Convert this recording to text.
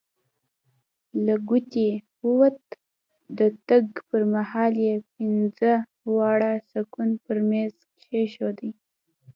له کوټې ووت، د تګ پر مهال یې پینځه واړه سکوې پر میز کښېښودې.